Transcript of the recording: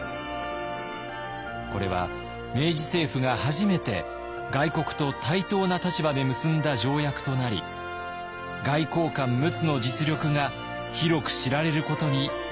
これは明治政府が初めて外国と対等な立場で結んだ条約となり外交官陸奥の実力が広く知られることになったのです。